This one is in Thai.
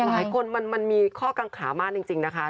มันมีข้อกังขามากจริงนะคะ